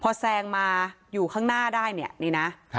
พอแซงมาอยู่ข้างหน้าได้เนี่ยนี่นะ